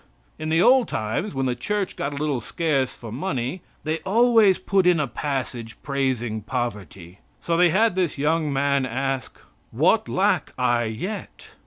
In the old times when the Church got a little scarce for money, they always put in a passage praising poverty. So they had this young man ask: "What lack I yet?"